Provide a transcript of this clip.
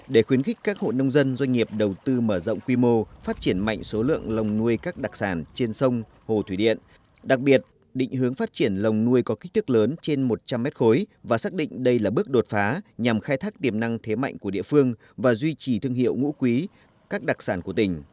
để khuyến khích các hộ nông dân doanh nghiệp đầu tư mở rộng quy mô phát triển mạnh số lượng lồng nuôi các đặc sản trên sông hồ thủy điện đặc biệt định hướng phát triển lồng nuôi có kích thước lớn trên một trăm linh m khối và xác định đây là bước đột phá nhằm khai thác tiềm năng thế mạnh của địa phương và duy trì thương hiệu ngũ quý các đặc sản của tỉnh